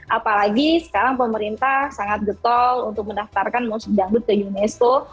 apalagi sekarang pemerintah sangat getol untuk mendaftarkan musik dangdut ke unesco